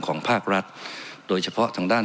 ภาครัฐโดยเฉพาะทางด้าน